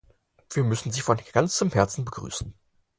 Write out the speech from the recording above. Wir müssen sie von ganzem Herzen begrüßen.